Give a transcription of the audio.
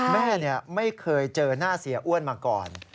แม่ไม่เคยเจอหน้าเสียอ้วนมาก่อน